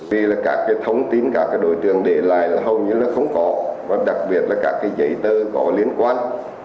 vì là các cái thông tin các đối tượng để lại là hầu như là không có và đặc biệt là các cái giấy tờ có liên quan